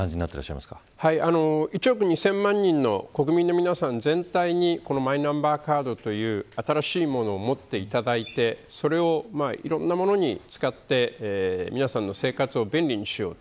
１億２０００万人の国民の皆さん全体にこのマイナンバーカードという新しいものを持っていただいてそれをいろんなものに使って皆さんの生活を便利にしよう。